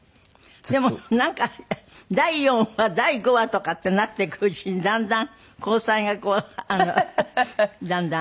でもなんか第４話第５話とかってなっていくうちにだんだん交際がこうだんだん。